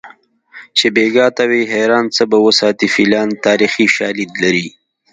چې بیګا ته وي حیران څه به وساتي فیلان تاریخي شالید لري